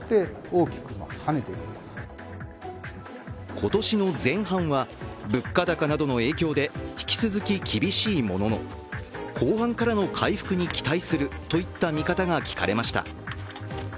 今年の前半は物価高などの影響で引き続き厳しいものの後半からの回復に期待するといった見方が聞かれました。